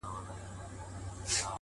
پر ټگانو چى يې جوړ طلا باران كړ!!